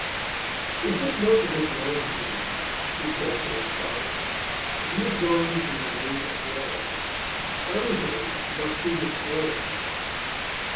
"If this monk is a Florentine," he said to himself; "if he is going to remain at Florence, everything must be disclosed."